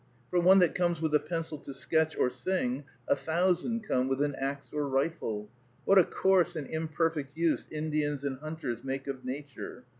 For one that comes with a pencil to sketch or sing, a thousand come with an axe or rifle. What a coarse and imperfect use Indians and hunters make of nature!